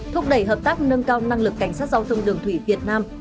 thúc đẩy hợp tác nâng cao năng lực cảnh sát giao thông đường thủy việt nam